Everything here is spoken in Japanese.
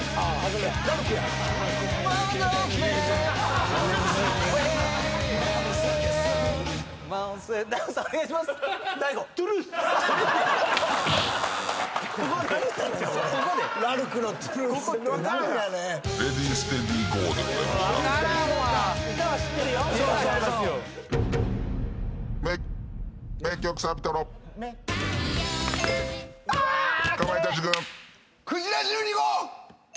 「め」かまいたち軍。